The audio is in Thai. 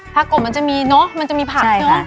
ภาคกบลิคมันจะมีเนาะมันจะมีผังเนาะ